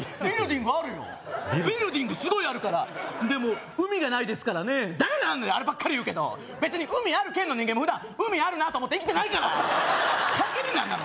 ビルディングすごいあるからでも海がないですからねだから何だよあればっかり言うけど別に海ある県の人間も普段海あるなと思って生きてないから関係ねえんだよ